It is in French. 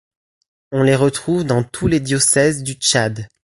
On les retrouve dans tous les diocèses du Tchad.